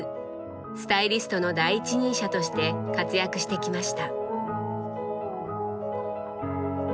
スタイリストの第一人者として活躍してきました。